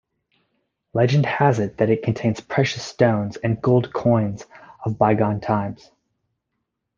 Legend has it that it contains precious stones and gold coins of bygone times.